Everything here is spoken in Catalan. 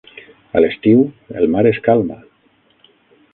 A l'estiu, el mar es calma.